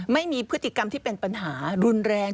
ไม่มีพฤติกรรมที่เป็นปัญหารุนแรง